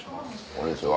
こんにちは。